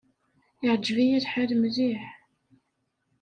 Iɛǧeb-iyi lḥal mliḥ.